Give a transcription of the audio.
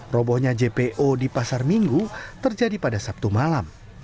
robohnya jpo di pasar minggu terjadi pada sabtu malam